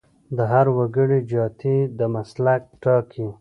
د هر وګړي جاتي د مسلک ټاکي.